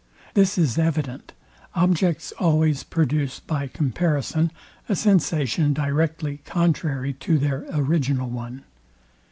This is evident, objects always produce by comparison a sensation directly contrary to their original one.